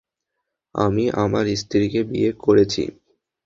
আমি আমার স্ত্রীকে বিয়ে করেছি।